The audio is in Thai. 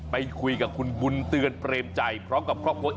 ไปคุยกับคุณบุญเตือนเปรมใจพร้อมกับครอบครัว